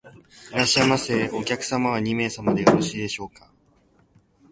いらっしゃいませ。お客様は二名様でよろしいですか？